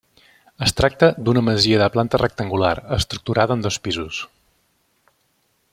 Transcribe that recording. Es tracta d'una masia de planta rectangular, estructurada en dos pisos.